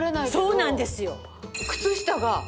そうなんですよ。